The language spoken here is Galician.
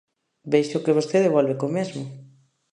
Vexo que vostede volve co mesmo.